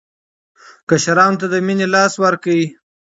کشرانو ته د مینې لاس ورکړئ.